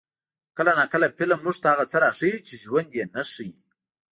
کله ناکله فلم موږ ته هغه څه راښيي چې ژوند یې نه ښيي.